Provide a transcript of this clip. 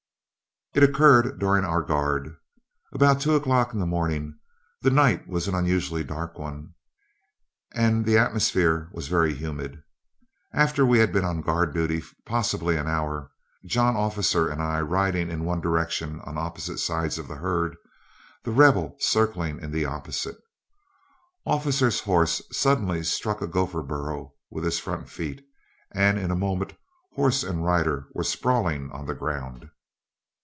It occurred during our guard, and about two o'clock in the morning. The night was an unusually dark one and the atmosphere was very humid. After we had been on guard possibly an hour, John Officer and I riding in one direction on opposite sides of the herd, and The Rebel circling in the opposite, Officer's horse suddenly struck a gopher burrow with his front feet, and in a moment horse and rider were sprawling on the ground.